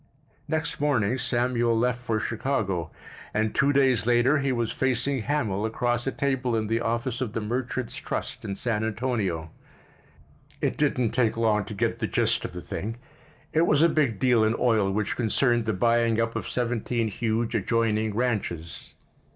Next morning Samuel left for Chicago, and two days later he was facing Hamil across a table in the office of the Merchants' Trust in San Antonio. It didn't take long to get the gist of the thing. It was a big deal in oil which concerned the buying up of seventeen huge adjoining ranches.